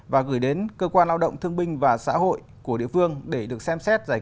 và gửi đến cơ quan lao động thương binh và xã hội của địa phương để được xem xét giải